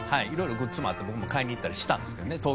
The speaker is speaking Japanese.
色々グッズもあって僕も買いに行ったりしたんですけどね